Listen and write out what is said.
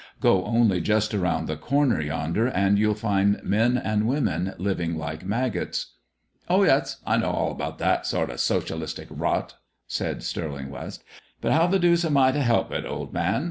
Go only just around the corner yonder and you'll find men and women living like maggots." "Oh yes; I know all about that sort of socialistic rot," put in Stirling West. "But how the deuce am I to help it, old man?